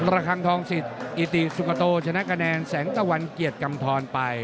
ระคังทองสิทธิ์อิติสุกโตชนะคะแนนแสงตะวันเกียรติกำทรไป